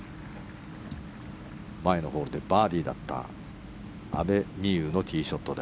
前のホールでバーディーだった阿部未悠のティーショット。